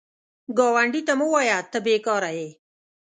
ګاونډي ته مه وایه “ته بېکاره یې”